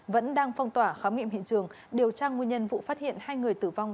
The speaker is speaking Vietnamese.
vẫn đang phong tỏa khám nghiệm hiện trường điều tra nguyên nhân vụ phát hiện hai người tử vong